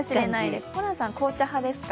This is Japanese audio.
ホランさん、紅茶派ですか？